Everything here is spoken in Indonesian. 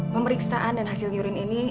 pemeriksaan dan hasil yurin ini